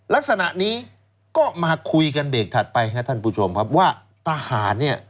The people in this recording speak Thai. ลักษณะนี้ก็มาคุยกันเบรกถัดไปครับท่านผู้ชมครับว่าทหารเนี่ย